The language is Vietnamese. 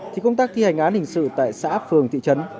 thì công tác thi hành án hình sự tại xã phường thị trấn